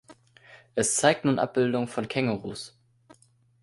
Es zeigt nun Abbildungen von Kängurus.